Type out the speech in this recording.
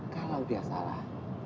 kalau dia salah